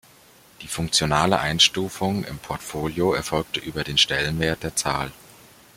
Die funktionale Einstufung im Portfolio erfolgte über den Stellenwert der Zahl.